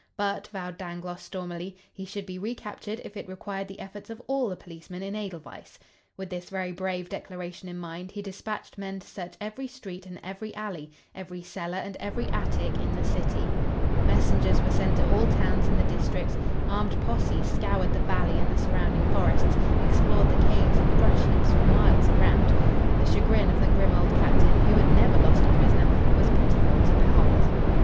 But, vowed Dangloss stormily, he should be recaptured if it required the efforts of all the policemen in Edelweiss. With this very brave declaration in mind he despatched men to search every street and every alley, every cellar and every attic in the city. Messengers were sent to all towns in the district; armed posses scoured the valley and the surrounding forests, explored the caves and brush heaps for miles around. The chagrin of the grim old Captain, who had never lost a prisoner, was pitiful to behold.